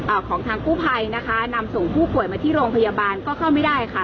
ของทางกู้ภัยนะคะนำส่งผู้ป่วยมาที่โรงพยาบาลก็เข้าไม่ได้ค่ะ